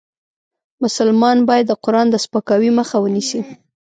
مسلمان باید د قرآن د سپکاوي مخه ونیسي .